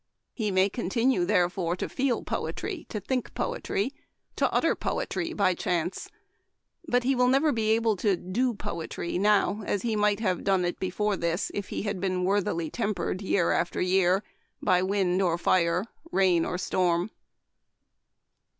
He may continue, therefore, to feel poetry, to think poetry, to utter poetry, by chance ; but he will never be able to do poetry now as he might have done it before this, if he had been worthily tempered, year after year, by wind or fire, rain or storm.